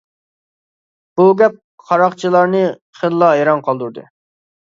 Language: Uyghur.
بۇ گەپ قاراقچىلارنى خېلىلا ھەيران قالدۇردى.